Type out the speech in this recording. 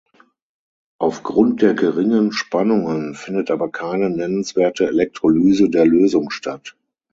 Aufgrund der geringen Spannungen findet aber keine nennenswerte Elektrolyse der Lösung statt.